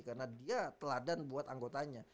karena dia teladan buat anggotanya